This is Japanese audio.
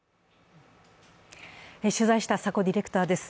取材した佐古ディレクターです。